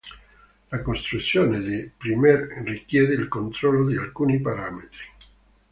La costruzione di primer richiede il controllo di alcuni parametri.